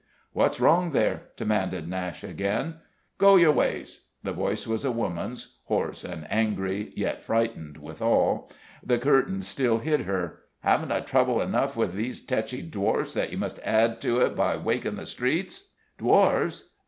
"What's wrong there?" demanded Nashe again. "Go your ways!" The voice was a woman's, hoarse and angry, yet frightened withal. The curtain still hid her. "Haven't I trouble enough with these tetchy dwarfs, but you must add to it by waking the streets?" "Dwarfs?"